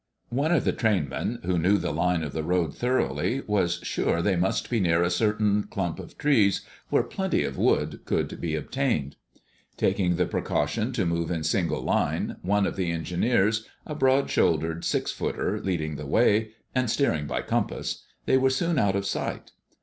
One of the train men, who knew the line of the road thoroughly, was sure they must be near a certain clump of trees where plenty of wood could be obtained. Taking the precaution to move in single line, one of the engineers, a broad shouldered six footer, leading the way, and steering by compass, they were soon out of sight.